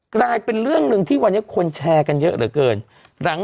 กลายเป็นเรื่องหนึ่งที่วันนี้คนแชร์กันเยอะเหลือเกิน